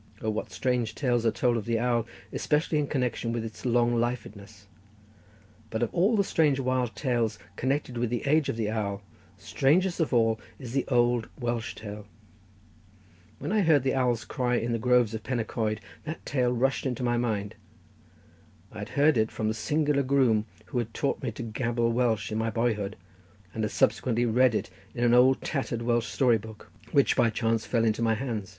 Oh, what strange tales are told of the owl, especially in connection with its long lifedness; but of all the strange, wild tales connected with the age of the owl, strangest of all is the old Welsh tale. When I heard the owl's cry in the groves of Pen y Coed, that tale rushed into my mind. I had heard it from the singular groom, who had taught me to gabble Welsh in my boyhood, and had subsequently read it in an old tattered Welsh story book, which by chance fell into my hands.